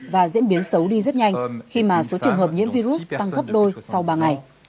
và diễn biến xấu đi rất nhanh khi mà số trường hợp nhiễm virus tăng gấp đôi sau ba ngày